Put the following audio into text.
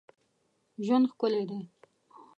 ژوند ښکلی دی.